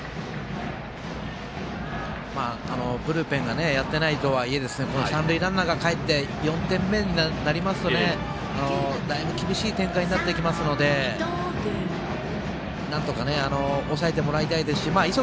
ブルペンがやってないとはいえ三塁ランナーがかえって４点目になりますとだいぶ厳しい展開になってきますのでなんとか抑えてもらいたいですし磯